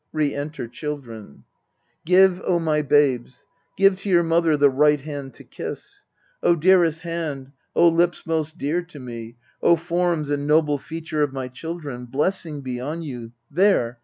Re enter CHILDREN Give, O my babes, Give to your mother the right hand to kiss. O dearest hand, O. lips most dear to me, O form and noble feature of my children, Blessing be on you there